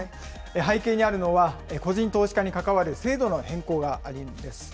背景にあるのは、個人投資家に関わる制度の変更があるんです。